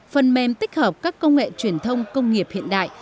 phần mềm tích hợp các công nghệ truyền thông công nghiệp hiện đại